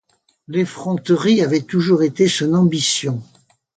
L’effronterie avait toujours été son ambition.